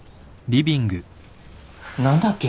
何だっけ？